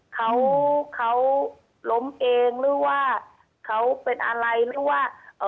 เขาล้มเองหรือว่าเขาเป็นอะไรหรือว่า